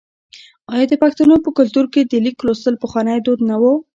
آیا د پښتنو په کلتور کې د لیک لوستل پخوانی دود نه و؟